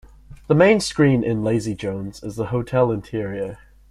The main screen in "Lazy Jones" is the hotel interior.